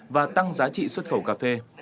và tăng giá trị xuất khẩu cà phê